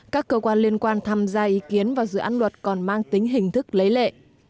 các cơ quan liên quan tham gia ý kiến vào dự án luật còn mang tính hình thức lấy lệ